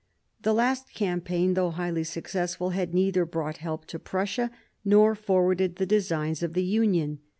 The last campaign, though highly successful, had neither brought help to Prussia nor forwarded the designs of the union.